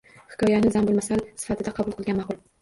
Hikoyani zarbulmasal sifatida qabul qilgan maʼqul